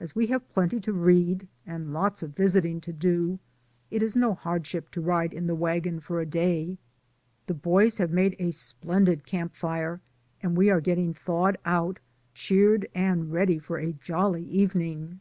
As we have plenty to read, and lots of visiting to do, it is 34 DAYS ON THE ROAD. no hardship to ride in the wagon for a day. The boys have made a splendid camp fire, and we are getting thawed out, cheered, and ready for a jolly evening.